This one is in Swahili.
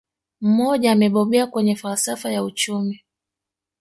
Mmoja amebobea kwenye falsafa ya uchumi